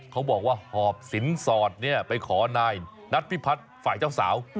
เขาบอกว่าหอบสินสอดไปขอนายนัทพิพัฒน์ฝ่ายเจ้าสาว